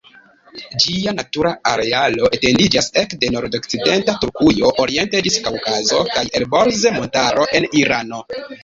Ĝia natura arealo etendiĝas ekde nordokcidenta Turkujo oriente ĝis Kaŭkazo kaj Elborz-Montaro en Irano.